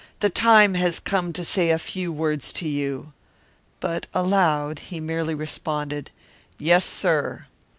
The time has come to say a few words to you " But aloud he merely responded, "Yes, sir!"